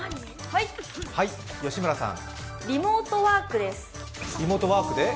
リモートワークで？